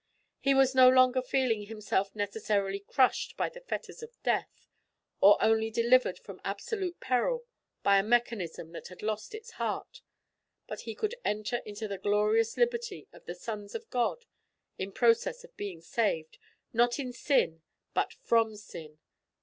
He was no longer feeling himself necessarily crushed by the fetters of death, or only delivered from absolute peril by a mechanism that had lost its heart, but he could enter into the glorious liberty of the sons of God, in process of being saved, not in sin but from sin.